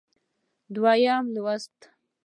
دویم لوست